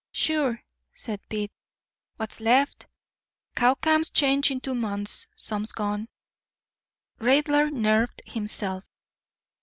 "Sure," said Pete; "what's left. Cow camps change in two months. Some's gone." Raidler nerved himself.